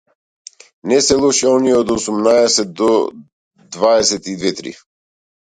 Не се лоши оние од осумнаесет до дваесет и две-три.